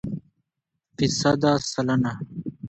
فیصده √ سلنه